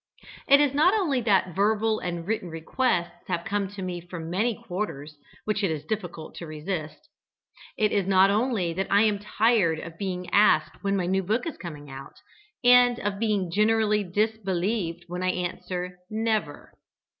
It is not only that verbal and written requests have come to me from many quarters which it is difficult to resist; it is not only that I am tired of being asked when my new book is coming out, and of being generally disbelieved when I answer "never."